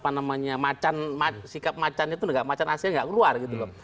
namanya macan sikap macan itu tidak macan asli tidak keluar